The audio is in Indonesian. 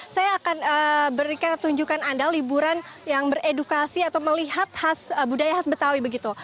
saya akan berikan tunjukkan anda liburan yang beredukasi atau melihat khas budaya khas betawi begitu